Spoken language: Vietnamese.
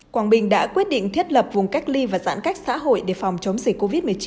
quảng bình đã quyết định thiết lập vùng cách ly và giãn cách xã hội để phòng chống dịch covid một mươi chín